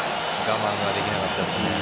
我慢ができなかったですね。